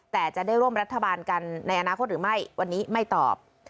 แต่จะได้ร่วมรัฐบาลกันในอนาคตหรือไม่วันนี้ไม่ตอบ